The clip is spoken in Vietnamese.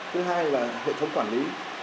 thứ hai là hệ thống quản lý